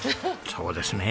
そうですね